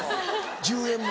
１０円も」。